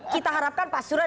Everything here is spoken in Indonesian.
kita harapkan pak surah